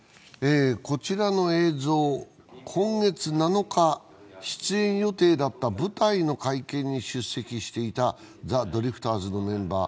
こちらの映像、今月７日、出演予定だった舞台の会見に出席していたザ・ドリフターズのメンバー、